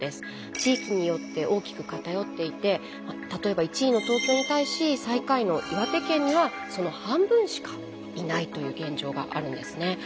地域によって大きく偏っていて例えば１位の東京に対し最下位の岩手県にはその半分しかいないという現状があるんですね。